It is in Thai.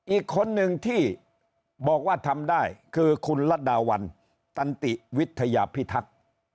อีกคนนึงที่บอกว่าทำได้คือคุณรัฐดาวันตันติวิทยาพิทักษ์